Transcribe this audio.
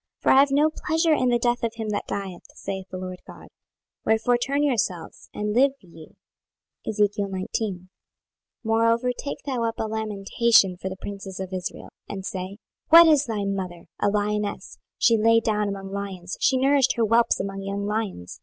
26:018:032 For I have no pleasure in the death of him that dieth, saith the Lord GOD: wherefore turn yourselves, and live ye. 26:019:001 Moreover take thou up a lamentation for the princes of Israel, 26:019:002 And say, What is thy mother? A lioness: she lay down among lions, she nourished her whelps among young lions.